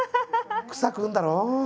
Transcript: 草食うんだろ？